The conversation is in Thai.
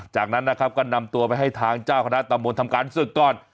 จากนั้นนะครับก็นำตัวไปให้ทางเจ้าคณะตำบลทำการศึกก่อน